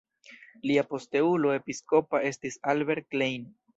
Lia posteulo episkopa estis Albert Klein.